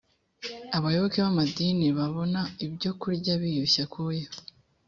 abayoboke b’amadini babona ibyo kurya biyushye akuya